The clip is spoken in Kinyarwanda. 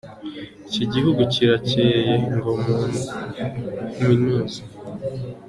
Iki gihugu kirakeye, ngo mu minuze.